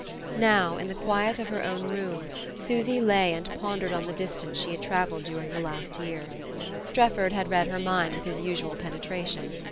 Now, in the quiet of her own room, Susy lay and pondered on the distance she had travelled during the last year. Strefford had read her mind with his usual penetration.